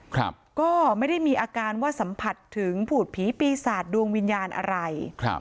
ครับก็ไม่ได้มีอาการว่าสัมผัสถึงผูดผีปีศาจดวงวิญญาณอะไรครับ